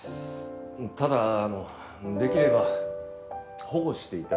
ただあのできれば保護して頂きたいんです。